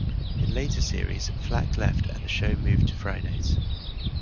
In later series, Flack left and the show moved to Fridays.